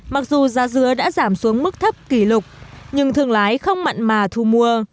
mặc dù giá dứa đã giảm xuống mức thấp kỷ lục nhưng thường lái không mặn mà thu mua